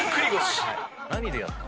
何でやったの？